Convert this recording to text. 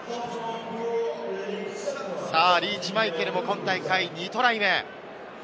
リーチ・マイケルも今大会２トライ目。